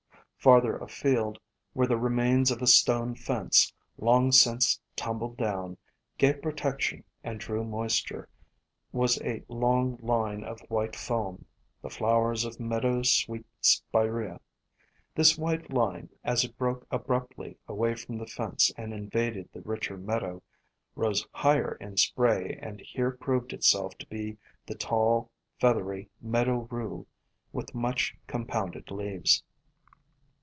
Farther afield, where the remains of a stone fence, long since tumbled down, gave protection and drew moisture, was a long line of white foam, the flowers of Meadow Sweet Spirea. This white line, as it broke abruptly 230 FLOWERS OF THE SUN away from the fence and invaded the richer meadow, rose higher in spray and here proved itself to be the tall, feathery Meadow Rue, with much com pounded leaves.